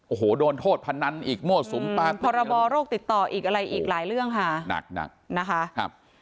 โอ้โหโดนโทษพนันอีกมั่วสุมปากพรบโรคติดต่ออีกอะไรอีกหลายเรื่องค่ะหนักหนักนะคะครับ